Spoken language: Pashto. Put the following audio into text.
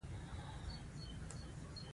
دین بې ساری عظمت او برم لري.